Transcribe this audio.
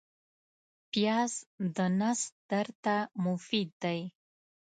پیاز د نس درد ته مفید دی